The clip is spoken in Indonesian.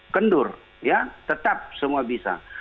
kendur ya tetap semua bisa